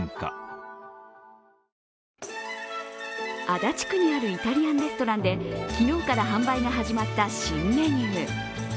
足立区にあるイタリアンレストランで昨日から販売が始まった新メニュー。